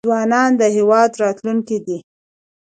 ځوانان د هیواد راتلونکی دی